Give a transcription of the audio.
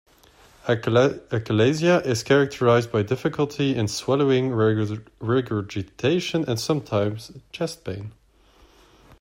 Achalasia is characterized by difficulty in swallowing, regurgitation, and sometimes chest pain.